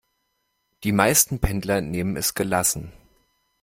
Die meisten Pendler nehmen es gelassen.